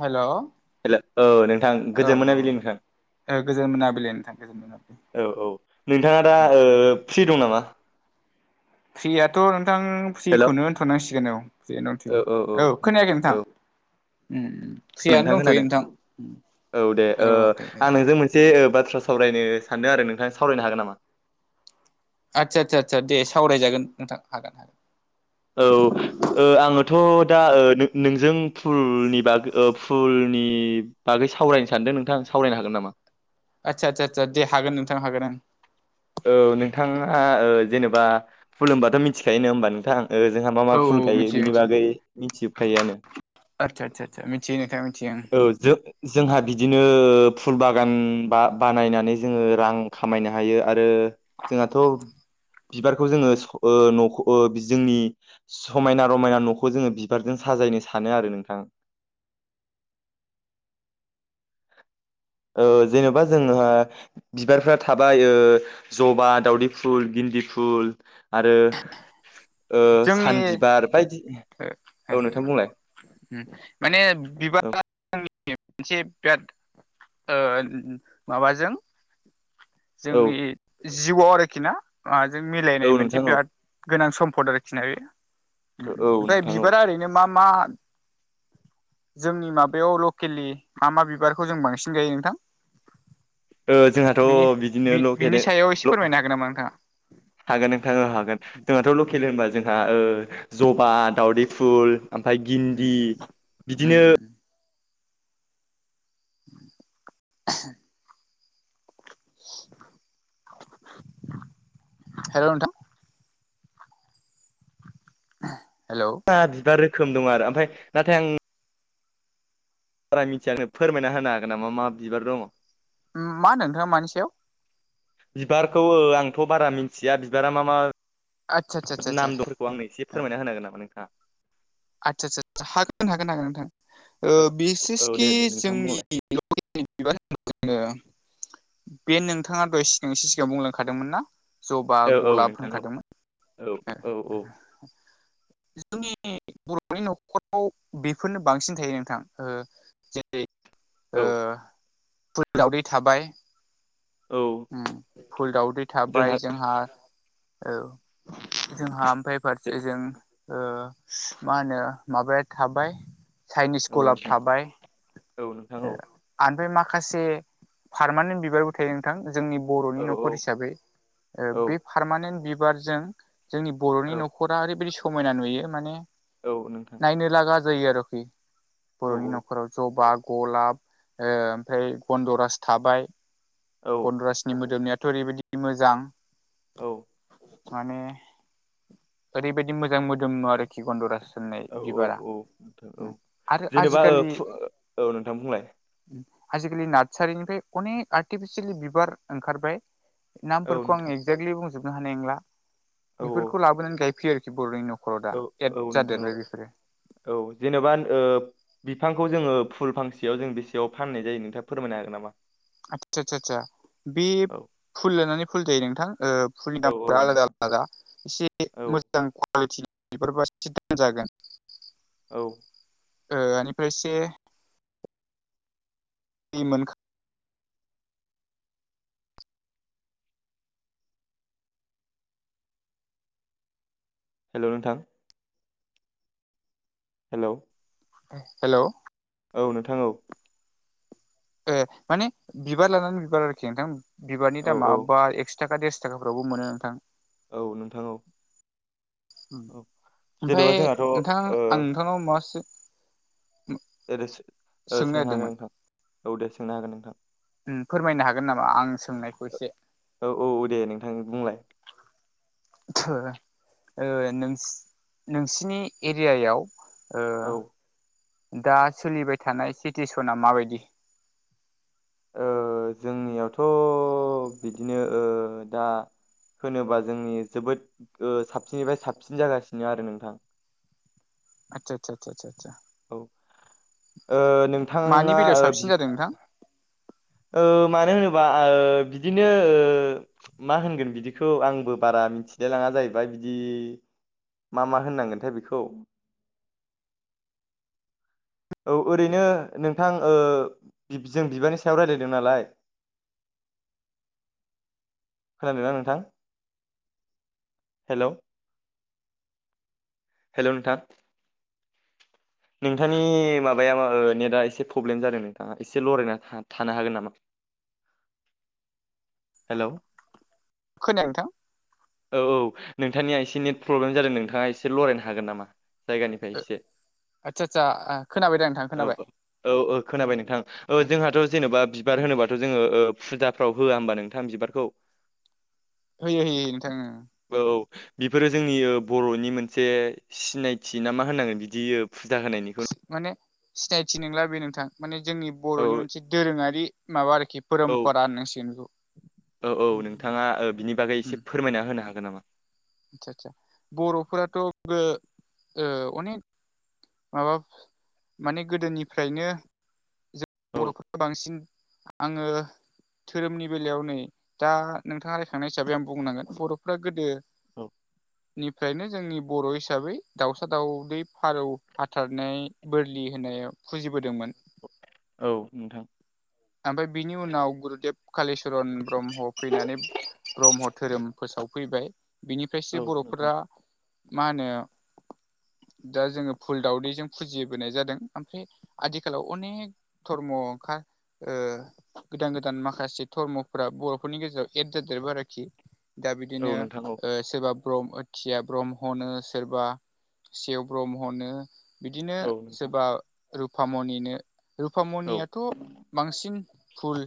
हेल' hello औ नोंथां ओ गोजोन मोना बिलि नोंथां गोजोन मोनाबिलि नोंथां गोजोन मोनाबिलि औ औ नोंथाङा दा ओ फ्रि दं नामा फ्रियाथ' नोंथां हेल' औ फ्रिखौनो होनथ'नांसिगोन औ जेनौथि औ खोनायाखै नोंथां औ उम फ्रियानो नोंथां दंथ'यो खोनादों औ दे ओ दे दे आं नोंजों मोनसे बाथ्रा सो सावरायनो सानदों आरो नोंथाङा सावरायनो हागोन नामा आदसा आदसा आसा दे सावरायजागोन नोंथां हागोन हागोन औ ओ आङोथ' दा ओ नोंजों फुलनि बागै ओ फुलनि बागै सावरायनो सानदों नोंथां सावरायनो हागोन नामा आदसा आदसा आसा दे हागोन नोंथां हागोन आं औ नोंथाङा ओ जेनेबा खुलुमबाथ' मिथिखायो नङा होमबा नोंथां ओ जोंहा मा मा ओं औ फुल गायो मिथियो बिनि बागै मिथिजोबखायोआनो आदचा चा चा मिथियो नोंथाङ मिथियो आं औ जों जोंहा बिदिनो फुल बागान बा बानायनानै जोङो रां खामायनो हायो आरो जोंहाथ' बिबारखौ जोङो स न'खौ बि जोंनि समायना रमायना न'खौ जोङो बिबारजों स साजायनो सानो आरो नोंथां ओ जेन'बा जोंहा बिबारफ्रा थाबाय ओ जबा दावदै फुल बि दि फुल आरो ओ जोंनि सान बिबार बायदि ओ ओं औ नोंथां बुंलाय उम माने औ बिबार बागानि मोनसे बिराद ओ माबाजों औ जोंनि जिउआव आरोखि ना आ जों औ मिलायनाय मोनसे नोंथां औ बिराद गोनां सम औ [unintelligible] बै नोंथां औ बिबारा ओरैनो मा मा जोंनि माबायाव लकेलि मा मा बिबारखौ जों बांसिन गायो नोंथां ओ जोंहाथ बिनि बिद बिदिनोे ल के बिनि सायाव एसे ल फोरमायनो हागोन नामा नोंथाङा हागोन नोंथां ओ हागोन जोंहाथ लकेल होनबा जोंहा ओ जबा दावदै फुल ओमफ्राय गिन्दि बिदिनो [inaudible] हेलौ नोंथां हेलौ बिबार रोखोम दं आरो ओमफ्राय नाथाय आं बारा मिथियाखै फोरमायना होनो हागोन नामा मा बिबार दङ मा नोंथां मानि सायाव बिबारखौ ओ आंथ बारा मिथिया बिबारा मा मा आदसा आदसा आदसा नाम दं बेखौ आंनो एसे आदसा फोरमायना होनो हागोन नामा नोंथाङा आदसा आसा हागोन हागोन हागोन नोंथां ओ औ औ दे बिसेसखि दे नोंथां बुंलाय [unintelligible] बे नोंथाङा दहाय सिगां सिगां बुंलांखादोंमोन ना जबा औ औ गलाब नोंथां औ होनखादोंमोन औ औ औ जोंनि बरनि नखराव बेफोरनो बांसिन थायो नोंथां ओ जेरै औ ओ फुल दावदै थाबाय औ ओम फुल दावदै थाबाय जोंहा औ जोंहा ओमफ्राय फारसे ओजों ओ मा होनो माबाया थाबाय चाइनिस औ गलाब नोंथां थाबाय औ नोंथां ओ औ आमफ्राय मा माखासे पार्मानेन्ट बिबारबो थायो नोंथां जोंनि औ बरनि नखर हिसाबै ओ औ बे पारमानेन्ट बिबारजों जोंनि बरनि औ नखरा ओरैबायाददि समायना नुयो माने औ नोंथां नायनो लागा जायो आरोखि औ बरनि नखराव जबा गलाब ओ ओमफ्राय गन्दरास थाबाय औ गन्दरासनि मोदोमनाया थ ओरैबायदि मोजां औ माने ओरैबायदि मोजां मोदोमो आरोखि गन्दरास औ औ औ थ औ आरो जेनेबा ओ आजिखालि औ नोंथां बुंलाय आजिखालि नार्सारिनिफ्राय अनेक आर्टिफिसियेलि बिबार ओंखारबाय औ नामफोरखौ आं नोंथां एगजेक्टलि बुंजोबनो हानाय नंला औ बेफोरखौ लाबोनानै गायफैयो आरोखि बरनि नख औ औ नोंथां औ औ जेनेबा नो ओ बिफां खौ जोङो फुल फांसेयाव जों बेसेयाव फाननाय जायो नोंथाङा फोरमायनो हागोन नामा आदसा आतसा आतसा बे औ फुल लानानै फुल जायो नोंथां ओ फुलनि औ औ दामफोरा आलादा नोंथां आलादा एसे औ मोजां कवालिटिनि बेफोर [unintelligible] जागोन औ ओ ओनिफ्राय एसे दैै मोनखा हेलौ नोंथां हेलौ हेलौ औ नोंथां औ ए माने बिबार लानानै बिबार आरोखि नोंथां बिबारनि औ दामा औ बा एक्स थाखा देरस थाखाफ्रावबो मोनो नोंथां औ नोंथां औ औ ओमफाय जेनेबा जोंहाथ' ओ नोंथां आं नोंथांनाव माबासो सो दे दे सो ओ सोंनो हागोन नोंथां औ दे सोंनो हागोन नोंथां फोरमायनो हागोन नामा? आं सोंनायखौ एसे औ औ औ दे नोंथां बुंलाय। ओ नोसि नोंसिनि एरियायाव औ दा सोलिबाय थानाय सिटुवेसना माबायदि? जोंनियावथ' बिदिनो दा। होनोबा जोंनि जोबोद साबसिननिफ्राय साबसिन जागासिनो आरो नोंथां। आतसा आतसा आतसा औ ओ मानि नोंथाङा बेलायाव ओ बि साबसिन जादों नोंथां? ओ मानो होनोबा आ बिदिनो ओ मा होनगोन बिदिखौ आंबो बारा बारा मिथिलायलांआ जाहैबाय बिदि मा मा होननांगोनथाइ बिदिखौ [inaudible] औ ओरैनो नोंथां ओ जों बिबारनि सायाव रायज्लायदों नालाय [inaudible] खोनादोंना नोंथां? हेलौ। हेलौ नोंथां। नोंथांनि माबाया ओ नेटआ एसे प्रब्लेम जादों नोंथाङा एसे लरायना था-थानो हागोन नामा? हेलौ। खोनाया नोंथां। औ औ नोंथांनिया एसे नेट प्रब्लेम जादों नोंथाङा एसे लरायनो हागोन नामा? जायगानिफ्राय एसे। आदसा आदसा खोनाबाय दं। औ औ औ खोनाबाय नोंथां ओ जोंहाथ' जेनेबा बिबार होनोबाथ' जोङो ओ फुजाफ्राव होआ होमबा नोंथां बिबारखौ। होयो होयो नोंथां ओं औ औ बेफोरो जोंनि बर'नि मोनसे सिनायथि ना मा होनांगोन बिदि। फुजा होनायनिखौ माने सिनायथि नंला बे नोंथां माने जोंनि औ बर'नि मोनसे दोरोङारि माबा आरोखि औ पोरोम्परा होन्नांसिगोन बिखौ। औ औ नोंथाङा ओ बिनि बागै एसे फोरमायना होनो हागोन नामा? आदसा आतसा बर'फोराथ'ओ अनेक माबा माने गोदोनिफ्रायनो औ बर'खौनो बांसिन आङो धोरोमनि बेलायाव नै दा नोंथाङा रायखांनाय हिसाबै आं बुंनांगोन बर'फ्रा गोदो औ। निफ्रायनो जोंनि बर' हिसाबै दाउसा दाउदै फारौ हाथारनाय बोरलि होनायाव फुजिबोदोंमोन। औ नोंथां। ओमफ्राय बिनि उनाव गुरुदेब कालिचरन ब्रह्म फैनानै ब्रह्म धोरोम फोसावफैबाय बिनिफ्रायसो औ नोंथां बर'फोरा मा होनो [inaudible] दा जोङो फुल दावदैजों फुजिबोनाय जादों ओमफ्राय आथिखालाव अनेक धर्म ओंखा ओ गोदान गोदान माखासे धर्मफोरा बर'फोरनि गेजेराव एद जाजेरबाय आरोखि। दा औ बिदिनो नोंथां औ ओ सोरबा ब्रह्म आथिया ब्रह्म हनो सोरबा सेव ब्रह्म होननो बिदिनो औ नोंथां सोरबा रुपामनिनो रुपा औ मनियाथ' सिन फुल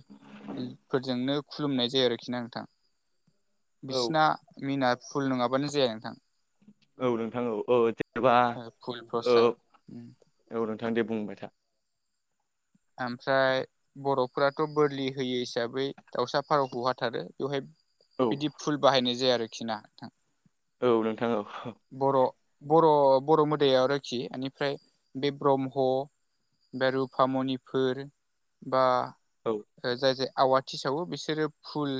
फोरजोंनो खुलुमनाय जायो आरोखि ना नोंथां। औ बिसिना मिना फुल नङाबानो जाया नोंथां। औ नोंथां औ औ जेनेबा फुल औ प्रसाद औ नोंथां दे बुंबाय था। ओमफ्राय बर'फोराथ' बोरलि होयो हिसाबै दाउसा फारौखौ हाथारो बेवहाय औ बिदि फुल बाहायनाय जाया आरोखि ना नोंथां। औ नोंथां औ। बर' बर' बर' मोदाया आरोखि इनिफ्राय बे ब्रह्म बे रुफामनिफोर बा औ ओ जाय जाय आवाथि सावो बिसोरो फुल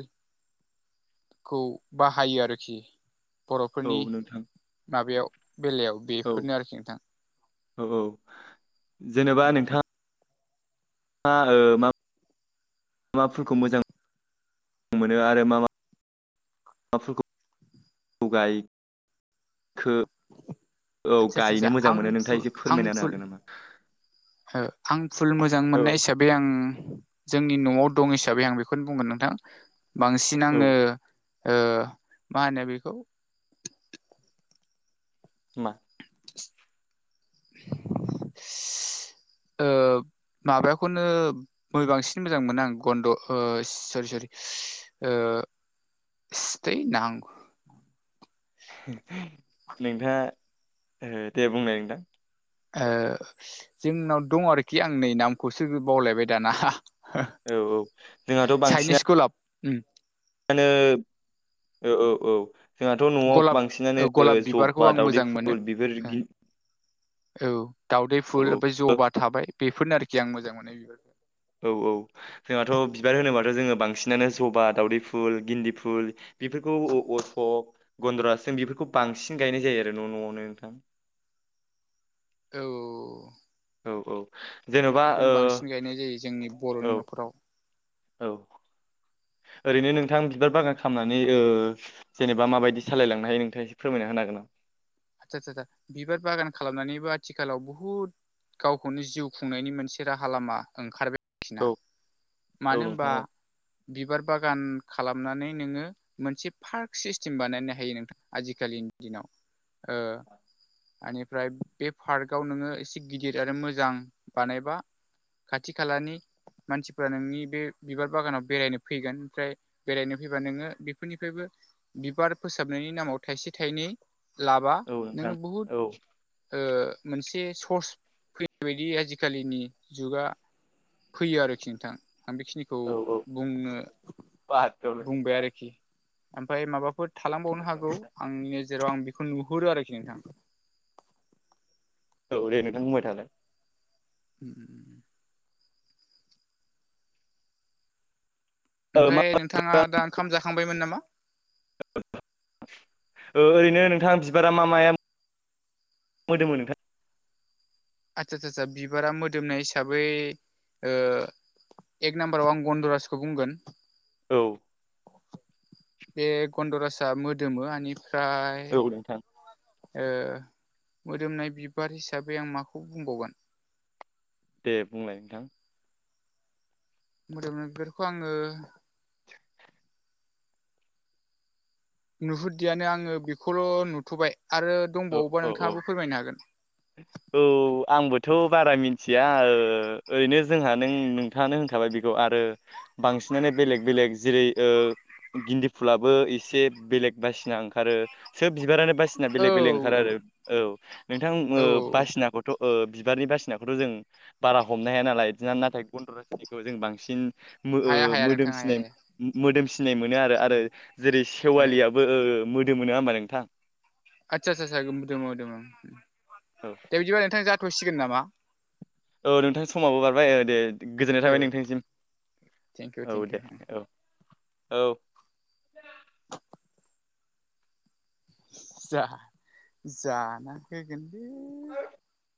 खौ बाहायो आरोखि। औ बर'फोरनि नोंथां माबायाव बेलायाव औ बेफोरनो आरोखि नोंथां। औ औ जेनेबा नोंथां ङा ओ मा मा फोरखौ मोजां मोनो आरो मा मा। मा फुलखो गाय खो औ आदसा आदसा गायनो आदसा मोजां आं मोनो फु नोंथाङा एसे आं फोरमायना होनो फुल हागोन नामा। हो आं फुल मोजां औ मोननाय हिसाबै आं जोंनि नआव दं हिसाबै आं बेखौनो बुंगोन नोंथां बांसिन आङो औ ओ मा होनो बेखौ मा [inaudible] [inaudible] ओ माबाखौनो गय बांसिन मोजां मोनो आं गन्द सरि सरि ओ सिथै नां नोंथाङा दे बुंनाय नोंथां ओ जोंनाव दं आरोखि आं नै नामखौसो बावलायबाय दाना औ औ जोंहाथ चाइनिस बांसिना गलाब उम नो औ औ-औ जोंहाथ नआव गलाब बांसिनानो ओ गलाब बिबारखौ जबा आं दावदै मोजां मोनो फुल बेफोर ओ औ दाावदै फुल औ ओमफाय जबा थाबाय बेफोरनो आरोखि आं मोजां मोनो बिबार औ औ जोंहाथ बिबार होनोबाथ जोङो बांसिनानो जबा दावदै फुल गिन्दि फुल बेफोरखौ अ असक गन्दरास जों बेफोरखौ बांसिन गायनाय जायो आरो न नआवनो नोंथां औ औ औ जेनबा बेखौनो ओ बांसिन गायनाय जायो जोंनि बर'नि औ न'खराव औ ओरैनो नोंथां बिबार बागान खालामनानै ओ जेनेबा माबायदि सालायलांनो हायो नोंथाङा एसे फोरमायना होनो हागोन ना। आतसा आतसा आतसा बिबार बागान खालामनानैबो आथिखालाव बुहुद गावखौनो जिउ खुंनायनि मोनसे राहा लामा ओंखारबाय खिना औ औ मानो नोंथां होनबा औ बिबार बाग गान खालामनानै नोङो मोनसे पार्क सिस्टेम बानायनो हायो नोंथां आजिखालिनि दिनाव [inaudible] आनिफ्राय बे पार्क आव नोङो एसे गिदिर आरो मोजां बानायबा खाथि खालानि मानसिफ्रा नोंनि बे बिबार बागानाव बेरायनो फैगोन ओमफ्राय बेरायनो फैबा नोङो बेफोरनिफायबो बिबार फोसाबनायनि नामाव थाइसे थाइनै लाबा औ नोंथां नोङो बहुद औ ओ मोनसे सर्स फैनाय बायदि आजिखालिनि जुगा फैयो आरोखि नोंथां आं बेखिनिखौ औ औ बुंनो बाहाग बुंबाय आरोखि ओमफाय माबाफोर थालांबावनो हागौ आंनि नोेजेराव आं बेखौ नुहुरो आरोखि नोंथां औ दे नोंथां बुंबाय थानो उम ओ मा ओमफ्राय नोंथाङा दा ओंखाम जाखांबायमोन नामा? ओ-ओरैनो नोंथां बिबारा मा माया- मोदोमो नोंथां? आतसा सा सा बिबारा मोदोमनाय हिसाबै ओ एक नाम्बाराव आं गन्दराजखौ बुंगोन। औ बे गन्दरसाआ मोदोमो बेनिफ्राय औ नोंथां ओ मोदोमनाय बिबार हिसाबै आं माखौ बुंबावगोन? दे बुंलाय नोंथां। मोदोमनाय बिबारखौ आङो नुहुरदियानो आङो बेखौल' नुथ'बाय। आरो औ दंबावोबा औ-औ-औ नोंथाङाबो फोरमायनो हागोन आंबोथ' बारा मिथि थिया ओ- ओरैनो जोंहा नों नोंथाङानो होनखाबाय बेखौ आरो बांसिनानो बेलेग बेलेग जेरै- ओ गिन्दि फुलाबो एसे बेलेग बासिना ओंखारो सोब बिबारानो बासि बासिना औ बेलेग बेलेग ओंखार आरो औ नोंथां औ ओ बासिनाखौथ' ओ बिबारनि बासिनाखौथ' जों बारा हमनो हाया नालाय नाथाय गन्द' रसिनिखौ जों बांसिन मो ओ हाया हाया नोंथां हाया मोदोमसिनाय हाया मोदोमसि सिनाय मोनो आरो जेरै औ सेवालियाबबो ओ मोदोमो नोङा होमबा नोंथां? आदसा सा सा मोदोमो मोदोमो औ दे बिदिबा नोंथां जाथ'सिगोन नामा? औ नोंथां समाबबो बारबाय ओ दे गोजोननाय थाबाय नोंथांनिसिम। थेंक इउ थेंक इउ औ जा जाना होगोन दे [unintelligible]